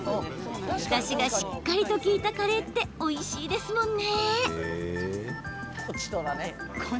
だしがしっかりと利いたカレーっておいしいですもんね。